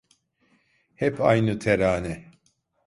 Hep aynı terane.